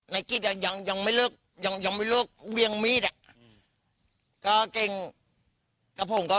ในกิจยังยังไม่เลือกยังยังไม่เลือกเวียงมีดก็เก่งกับผมก็